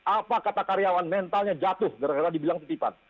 apa kata karyawan mentalnya jatuh karena dibilang titipan